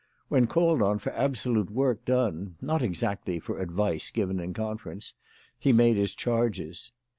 When called on for absolute work done, not exactly for advice given in conference, he made his charges.